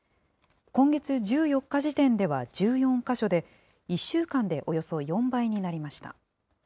今月１４日時点では１４か所で、１週間でおよそ４倍になりました。